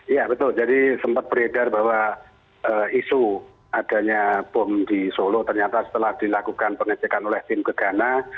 iya betul jadi sempat beredar bahwa isu adanya bom di solo ternyata setelah dilakukan pengecekan oleh tim gegana